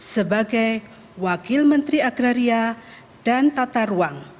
sebagai wakil menteri agraria dan tata ruang